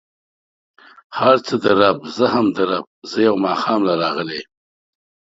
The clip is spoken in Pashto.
هر څه د رب، زه هم د رب، زه يو ماښام له راغلی يم.